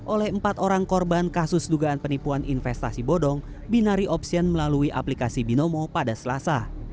oleh empat orang korban kasus dugaan penipuan investasi bodong binari option melalui aplikasi binomo pada selasa